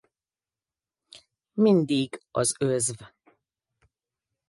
Mindig az özv.